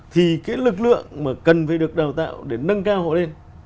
thì cái lực lượng mà cần phải được đào tạo để nâng cao họ lên